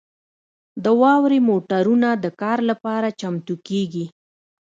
د واورې موټرونه د کار لپاره چمتو کیږي